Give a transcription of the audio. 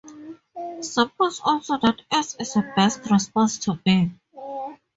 Suppose also that S is a best response to B.